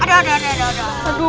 aduh aduh aduh